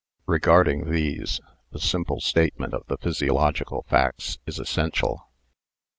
Regarding these, a simple statement of the physiological facts is essential.